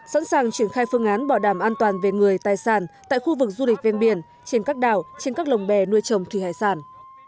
sẵn sàng triển khai phương án bảo đảm an toàn về người tài sản tại khu vực du lịch ven biển trên các đảo trên các lồng bè nuôi trồng thủy hải sản